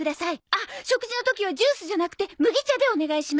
あっ食事の時はジュースじゃなくて麦茶でお願いします。